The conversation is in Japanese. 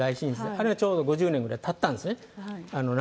あれがちょうど５０年ぐらいたったんですね。